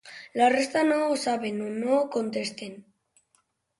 La resta no ho saben o no contesten.